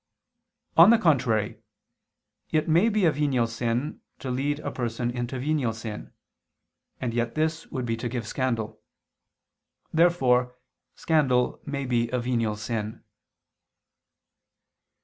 On the contrary, It may be a venial sin to lead a person into venial sin: and yet this would be to give scandal. Therefore scandal may be a venial sin.